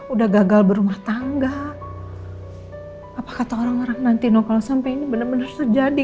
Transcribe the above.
udah gagal berumah tangga apa kata orang orang nanti kalau sampai ini benar benar terjadi